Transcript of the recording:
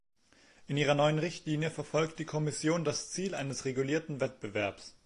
In ihrer neuen Richtlinie verfolgt die Kommission das Ziel eines regulierten Wettbewerbs.